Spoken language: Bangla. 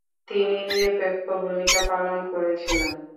তিনি নিরপেক্ষ ভূমিকা পালন করেছিলেন।